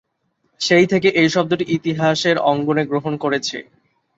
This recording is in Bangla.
সেই থেকে এই শব্দটি ইতিহাসের অঙ্গনে গ্রহণ করেছে।